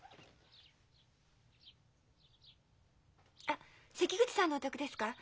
あっ関口さんのお宅ですか？